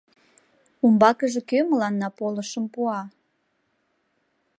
Умбакыже кӧ мыланна полышым пуа?